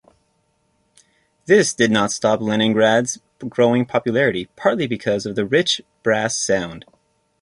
This did not stop Leningrad's growing popularity, partly because of the rich brass sound.